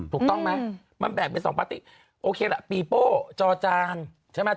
ถูกต้องไหมมันแบ่งเป็น๒ปาร์ตี้โอเคล่ะปีโป้จอจานใช่ไหม